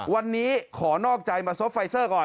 วันนี้ขอนอกใจมาซบไฟเซอร์ก่อน